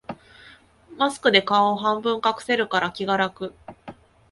マスクで顔を半分隠せるから気が楽